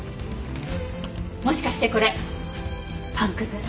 もしかしてこれパンくず？